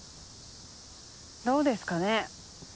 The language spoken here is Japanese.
どうですかね。